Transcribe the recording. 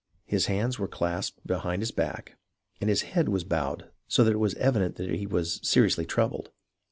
His hands were clasped behind his back, and his head was bowed so that it was evident he was seriously troubled.